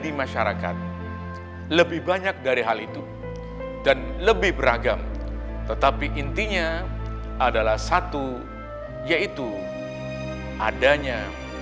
di masyarakat lebih banyak dari hal itu dan lebih beragam tetapi intinya adalah satu yaitu adanya